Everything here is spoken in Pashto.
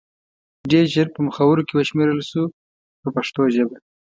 ډېر ژر په مخورو کې وشمېرل شو په پښتو ژبه.